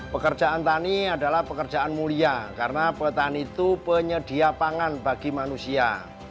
pekerjaan tani adalah pekerjaan mulia karena petani itu penyedia pangan bagi manusia